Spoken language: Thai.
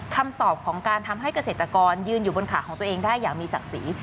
คำตอบของการทำให้เกษตรกรยืนอยู่บนขาของตัวเองได้อย่างมีศักดิ์ศรี